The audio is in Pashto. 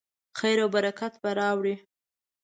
خیر او برکت به راوړي.